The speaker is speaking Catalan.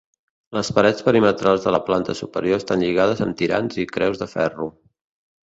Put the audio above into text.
Les parets perimetrals de la planta superior estan lligades amb tirants i creus de ferro.